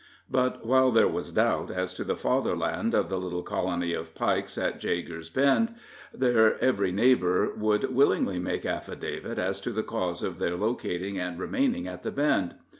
But while there was doubt as to the fatherland of the little colony of Pikes at Jagger's Bend, their every neighbor would willingly make affidavit as to the cause of their locating and remaining at the Bend.